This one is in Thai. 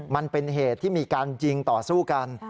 มันเป็นเหตุที่มีการยิงต่อสู้กัน